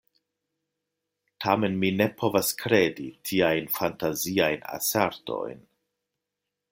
Tamen mi ne povas kredi tiajn fantaziajn asertojn.